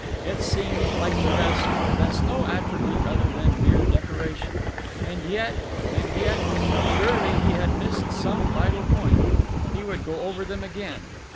It seemed, like the rest, to possess no attribute other than mere decoration. And yet, and yet surely he had missed some vital point. He would go over them again.